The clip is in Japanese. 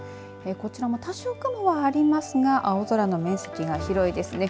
こちらも多少雲はありますが青空の面積が広いですね。